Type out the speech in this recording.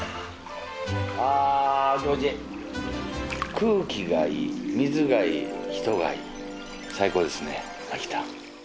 空気がいい水がいい人がいい最高ですね秋田。